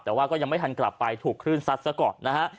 แต่ว่าก็ยังไม่ทันกลับไปถูกขึ้นซัดแล้วก่อน